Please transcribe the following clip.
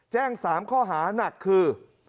แจ้ง๓ข้อหานักคือ